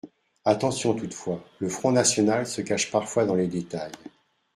Attention toutefois, le Front national se cache parfois dans les détails.